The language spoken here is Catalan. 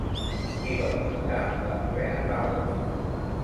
Qui va pintar la novena taula?